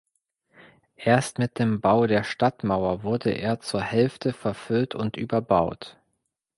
Erst mit dem Bau der Stadtmauer wurde er zur Hälfte verfüllt und überbaut.